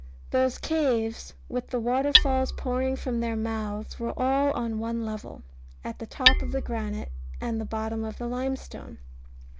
Those caves with the waterfalls pouring from their mouths were all on one level, at the top of the granite, and the bottom of the limestone.